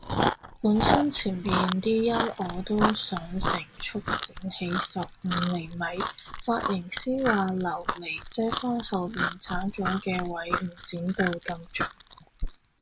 本身前面啲陰我都想成束剪起十五厘米，髮型師話留嚟遮返後面剷咗嘅位唔剪到咁盡